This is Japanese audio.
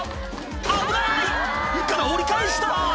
危ない！から折り返した！